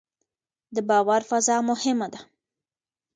د باور فضا مهمه ده